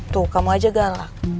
tuh kamu aja galak